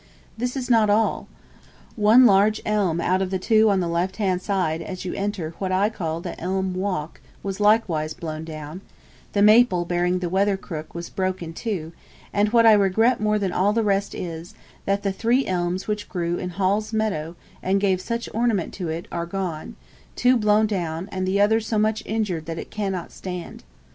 This is not all. One large elm out of the two on the left hand side as you enter what I call the elm walk, was likewise blown down; the maple bearing the weathercock was broke in two, and what I regret more than all the rest is, that all the three elms which grew in Hall's meadow, and gave such ornament to it, are gone; two were blown down, and the other so much injured that it cannot stand.